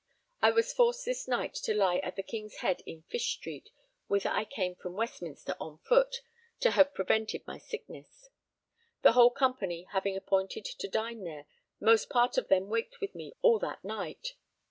I was forced this night to lie at the King's Head in Fish Street, whither I came from Westminster on foot, to have prevented my sickness. The whole company having appointed to dine there, most part of them waked with me all that night.